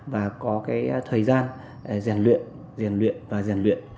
và có thời gian giàn luyện giàn luyện và giàn luyện